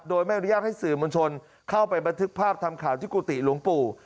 โดยไม่อนุญาตให้สื่อมวลชนเข้าไปบันทึกภาพทำข่าวที่กุฏิหลวงปู่